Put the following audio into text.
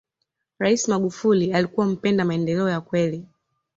raisi magufuli alikuwa mpenda maendeleo ya kweli